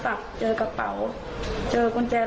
เจอโทรศัพท์เจอกระเป๋าเจอกุญแจรถ